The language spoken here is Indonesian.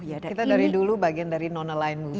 kita dari dulu bagian dari non aligned movement